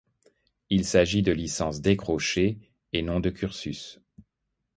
Il s'agit de licences décrochées, et non de cursus.